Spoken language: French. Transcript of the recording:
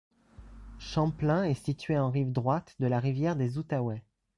Champlain est située en rive droite de la rivière des Outaouais.